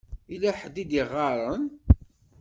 Yella ḥedd i d-iɣaṛen.